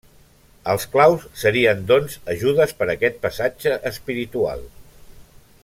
Els claus serien doncs ajudes per a aquest passatge espiritual.